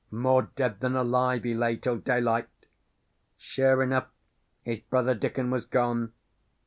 "More dead than alive, he lay till daylight. "Sure enough his brother Dickon was gone.